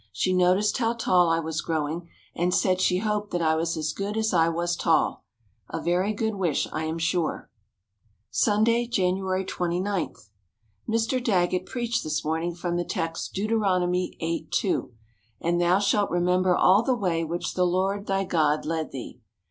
She noticed how tall I was growing and said she hoped that I was as good as I was tall. A very good wish, I am sure. Sunday, January 29. Mr. Daggett preached this morning from the text, Deut. 8: 2: "And thou shalt remember all the way which the Lord thy God led thee."